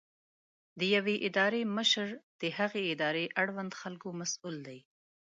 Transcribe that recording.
د یوې ادارې مشر د هغې ادارې اړوند خلکو مسؤل دی.